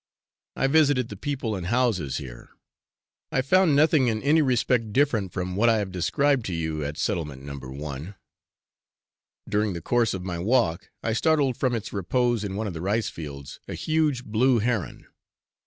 I visited the people and houses here. I found nothing in any respect different from what I have described to you at Settlement No. 1. During the course of my walk, I startled from its repose in one of the rice fields, a huge blue heron.